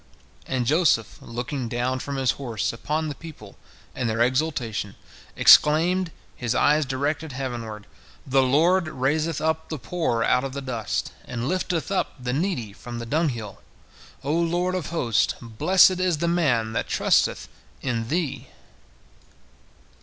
And Joseph, looking down from his horse upon the people and their exultation, exclaimed, his eyes directed heavenward: "The Lord raiseth up the poor out of the dust, and lifteth up the needy from the dunghill. O Lord of hosts, blessed is the man that trusteth in Thee."